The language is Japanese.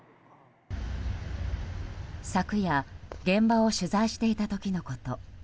昨夜、現場を取材していた時のこと。